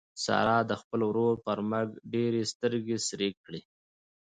سارا د خپل ورور پر مرګ ډېرې سترګې سرې کړې.